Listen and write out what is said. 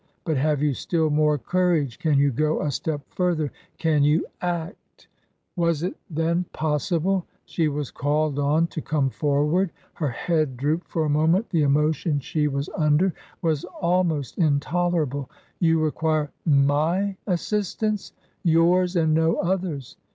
" But have you still more courage ? Can you go a step further ? Can you act V Was it, then, possible ? She was called on to come forward ? Her head drooped for a moment ; the emo tion she was under was almost intolerable. " You require my assistance !"" Yours, and no other's."